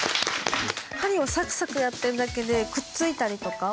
針をサクサクやってるだけでくっついたりとかパーツも。